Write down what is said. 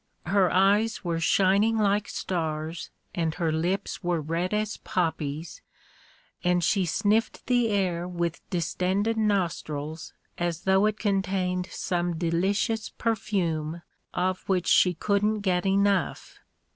Her eyes were shining like stars and her lips were red as poppies, and she sniffed the air with distended nos trils as though it contained some delicious perfume of which she couldn't get enough.